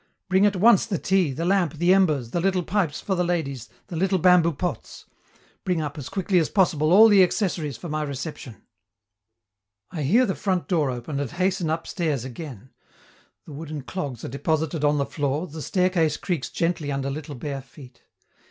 Bring at once the tea, the lamp, the embers, the little pipes for the ladies, the little bamboo pots! Bring up, as quickly as possible, all the accessories for my reception!" I hear the front door open, and hasten upstairs again. Wooden clogs are deposited on the floor, the staircase creaks gently under little bare feet.